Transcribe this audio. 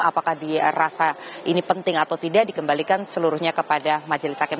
apakah dirasa ini penting atau tidak dikembalikan seluruhnya kepada majelis hakim